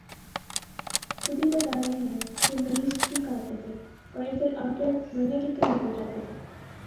خود ہی بتا رہے ہیں کہ مریض ٹھیک آتے تھے اور ادھر آ کہ مرنے کے قریب ہو جاتے تھے